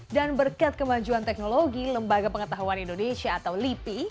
dan berkat kemajuan teknologi lembaga pengetahuan indonesia atau lipi